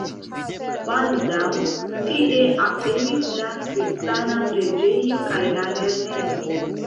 Baldaŭ tie aperis la kristana preĝejo kaj la lernejo.